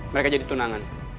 mereka jadi tunangan